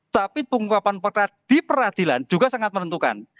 tapi pengungkapan perkara di peradilan juga sangat menentukan